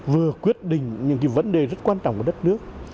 vừa quyết định những cái vấn đề rất quan trọng của đất nước